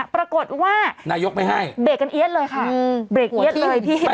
โปรดว่านายยกไปให้เบ็กกันเอี้ยดเลยค่ะเบ็กเอี้ยด